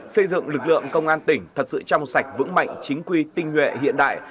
xây dựng lực lượng công an tỉnh thật sự trong sạch vững mạnh chính quy tinh nguyện hiện đại